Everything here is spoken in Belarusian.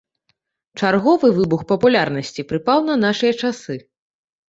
Чарговы выбух папулярнасці прыпаў на нашыя часы.